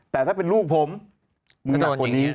แต่ถ้าเป็นลูกผมมันหนักกว่านี้